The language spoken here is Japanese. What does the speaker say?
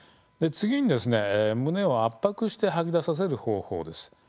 次に胸を圧迫して吐き出させる方法です。